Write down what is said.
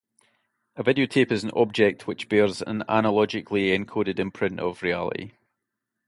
A videotape is an object which bears an analogically encoded imprint of reality.